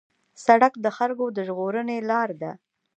سړک د خلکو د ژغورنې لار ده.